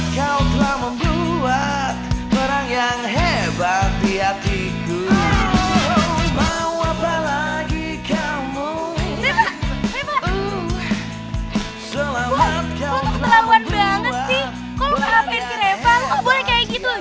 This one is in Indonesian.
kok lu ngelapain ke reva lu kok boleh kayak gitu